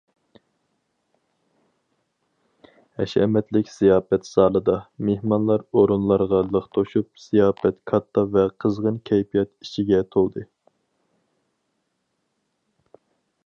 ھەشەمەتلىك زىياپەت زالىدا، مېھمانلار ئورۇنلارغا لىق توشۇپ، زىياپەت كاتتا ۋە قىزغىن كەيپىيات ئىچىگە تولدى.